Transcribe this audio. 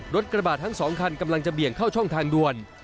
กระบาดทั้งสองคันกำลังจะเบี่ยงเข้าช่องทางด่วน